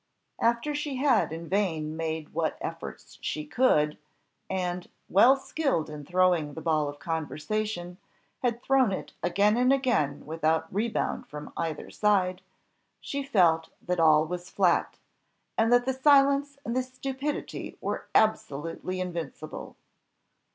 After she had in vain made what efforts she could, and, well skilled in throwing the ball of conversation, had thrown it again and again without rebound from either side, she felt that all was flat, and that the silence and the stupidity were absolutely invincible.